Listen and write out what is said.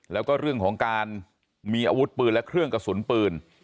แล้วก็เรื่องของการมีอาวุธปืนและเครื่องกระสุนปืน